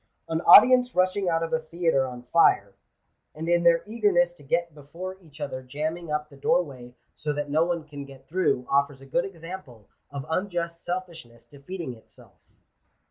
An audience rushing out of a theatre on fire, and in their eagerness to get before each other jamming up the doorway so that no one can get through, offers a good example Digitized by VjOOQIC GENERAL CONSIDERATIONS. 445 of unjust selfishness defeating itself.